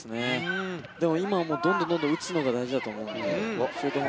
今はどんどん打つのが大事だと思います。